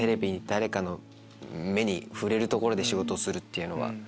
誰かの目に触れるところで仕事をするっていうのは。